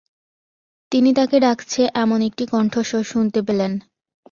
তিনি তাকে ডাকছে এমন একটি কন্ঠস্বর শুনতে পেলেন।